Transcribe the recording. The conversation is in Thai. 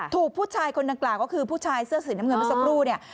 ถูกผู้ชายคนดังกล่าวก็คือผู้ชายเสื้อสีน้ำเงินเมื่อสักครู่เนี่ย